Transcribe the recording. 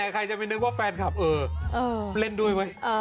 ใครจะมีนึกว่าแฟนคลับเออเล่นด้วยไว้